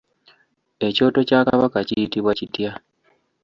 Ekyoto kya Kabaka kiyitibwa kitya?